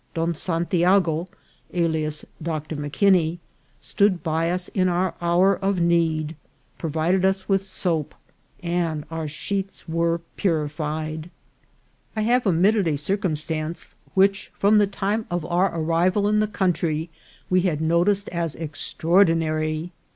Don San tiago, alias Doctor M'Kinney, stood by us in our hour of need, provided us with soap, and our sheets were pu rified. I have omitted a circumstance which from the time of our arrival in the country we had noticed as extra ordinary.